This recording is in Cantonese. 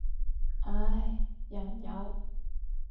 唉，人有